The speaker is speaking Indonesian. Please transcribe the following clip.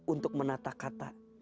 untuk menata kata